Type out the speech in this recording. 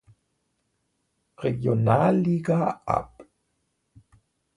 Regionalliga ab.